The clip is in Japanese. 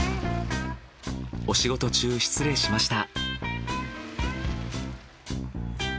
お仕事中失礼しました。